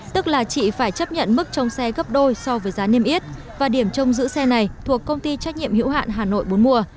tức là chị phải chấp nhận mức trong xe gấp đôi so với giá niêm yết và điểm trông giữ xe này thuộc công ty trách nhiệm hữu hạn hà nội bốn mùa